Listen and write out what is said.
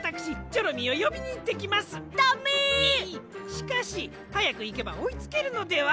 しかしはやくいけばおいつけるのでは？